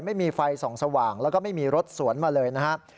ไม่มีไฟส่องสว่างแล้วก็ไม่มีรถสวนมาเลยนะครับ